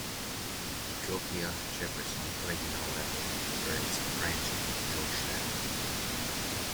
The Copiah-Jefferson Regional Library operates a branch in Georgetown.